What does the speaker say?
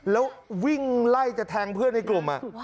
แล้ววิ่งไล่จะแทงเพื่อนในกลุ่ม